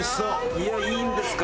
いやいいんですか？